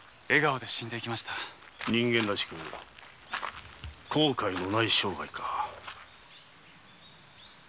人間らしく後悔のない生涯か。